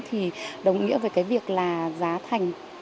thì đồng nghĩa với cái việc là giá thành